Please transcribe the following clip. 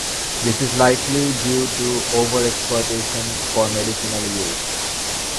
This is likely due to overexploitation for medicinal use.